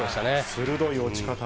鋭い落ち方。